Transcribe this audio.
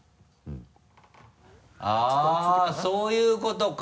あぁそういうことか。